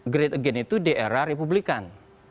great again itu di era republikan